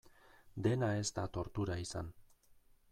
Dena ez da tortura izan.